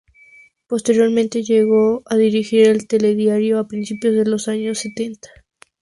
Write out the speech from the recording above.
Posteriormente llegó a dirigir el "Telediario" a principios de los años setenta.